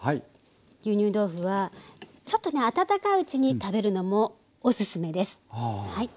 牛乳豆腐はちょっとね温かいうちに食べるのもおすすめです。